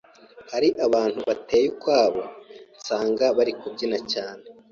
hari abantu bateye ukwaho nsanga bari kubyina cyane